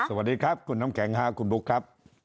สวัสดีครับคุณน้ำแข็งค่ะคุณบุ๊คครับ